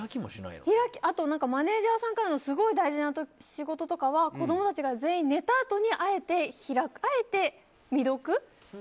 あとマネジャーさんとかのすごい大事な仕事とかは子供たちが全員寝たあとにそれは分かる。